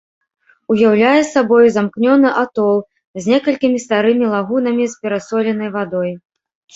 Уяўляе сабою замкнёны атол з некалькімі старымі лагунамі з перасоленай вадой.